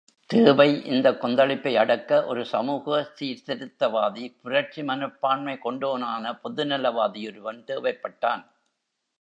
தேவை இந்த கொந்தளிப்பை யடக்க ஒரு சமூக சீர்த்திருத்தவாதி, புரட்சி மனப்பான்மை கொண்டோனான பொதுநலவாதி ஒருவன் தேவைப்பட்டான்.